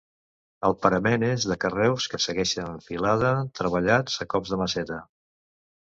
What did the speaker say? El parament és de carreus que segueixen filada, treballats a cops de maceta.